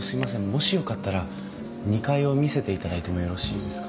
もしよかったら２階を見せて頂いてもよろしいですか？